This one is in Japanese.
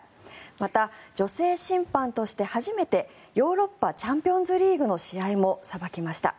また、女性審判として初めてヨーロッパチャンピオンズリーグの試合もさばきました。